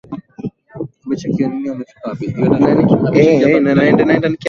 ulileta matatizo makubwa kwa uchumi na hata njaa kwa